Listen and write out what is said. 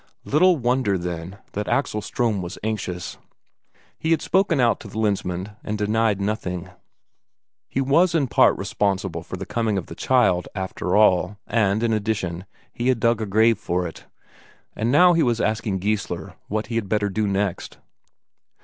Little wonder, then, that Axel Ström was anxious. He had spoken out to the Lensmand and denied nothing; he was in part responsible for the coming of the child at all, and in addition, he had dug a grave for it. And now he was asking Geissler what he had better do next.